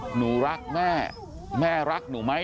หนูรักแม่แม่รักหนูไหม